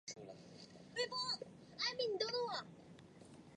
金山站南口前面的公路桥被叫做金山桥。